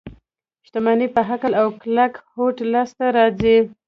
شتمني په عقل او کلک هوډ لاس ته راځي.